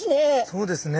そうですね。